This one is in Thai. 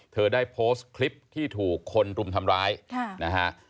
เธอได้โพสต์คลิปที่ถูกคนรุมทำร้ายนะฮะ